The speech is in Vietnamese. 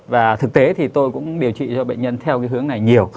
và thực tế thì tôi cũng điều trị cho bệnh nhân theo cái hướng này nhiều